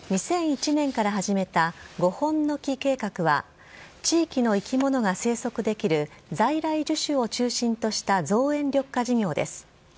２００１年から始めた５本の樹計画は、地域の生き物が生息できる在来樹種を中心とした造園緑化事業です。